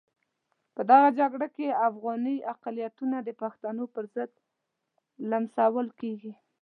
په دغه جګړه کې افغاني اقلیتونه د پښتنو پرضد لمسول کېږي.